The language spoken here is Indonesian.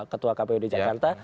ketua kpud jakarta